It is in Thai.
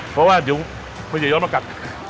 เพราะว่าเดี๋ยวมันจะย้อนมากัด